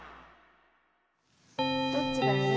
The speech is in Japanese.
どっちがやる？